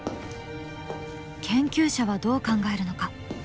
研究者はどう考えるのか？